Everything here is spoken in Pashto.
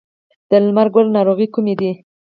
د لمر ګل ناروغۍ کومې دي؟